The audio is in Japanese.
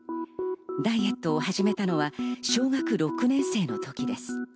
ダイエットを始めたのは小学６年生の時です。